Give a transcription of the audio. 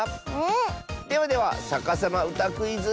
ではでは「さかさまうたクイズ」。